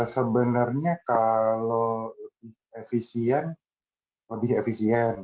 sebenarnya kalau lebih efisien lebih efisien